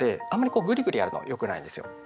こうグリグリやるのはよくないんですよ。